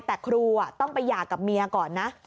แต่ครูต้องไปหย่ากับเมียก่อนนะ